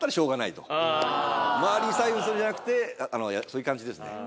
周りに左右されるんじゃなくてそういう感じですね。